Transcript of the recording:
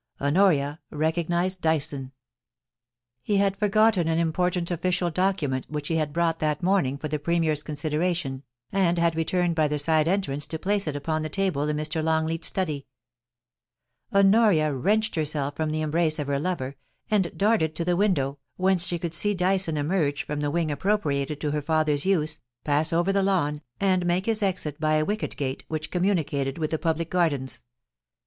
Honoria recognised Dyson. He had ' YOU SHALL BE AfV FAITH: 247 forgotten an important official document which he had brought that morning for the Premier's consideration, and had returned by the side entrance to place it upon the table in Mr. Longleat*s study. Honoria wrenched herself from the embrace of her lover, and darted to the window, whence she could see Dyson emerge from the wing appropriated to her father's use, pass over the lawn, and make his exit by a wicket gate which communicated with the public gardens.